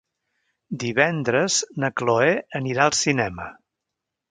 Divendres na Cloè anirà al cinema.